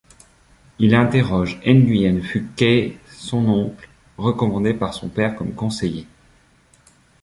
Il interroge Nguyễn Phúc Khê, son oncle, recommandé par son père comme conseiller.